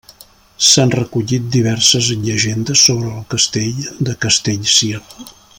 S'han recollit diverses llegendes sobre el Castell de Castellcir.